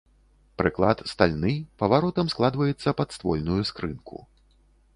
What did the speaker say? Прыклад стальны, паваротам складваецца пад ствольную скрынку.